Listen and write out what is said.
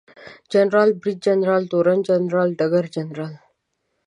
جنرال، بریدجنرال، تورن جنرال ، ډګرجنرال